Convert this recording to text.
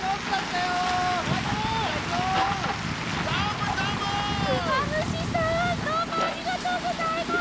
クマムシさんどうもありがとうございます！